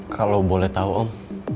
kalau boleh tahu om